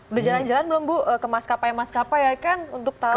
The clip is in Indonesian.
udah jalan jalan belum bu ke maskapai maskapai ya kan untuk tahun ini